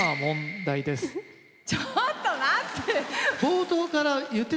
ちょっと待って！